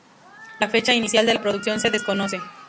La fecha inicial de la producción se desconoce.